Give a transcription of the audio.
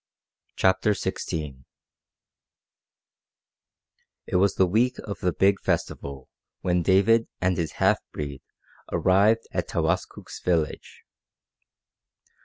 CHAPTER XVI It was the week of the Big Festival when David and his half breed arrived at Towaskook's village.